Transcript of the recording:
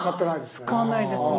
使わないですね。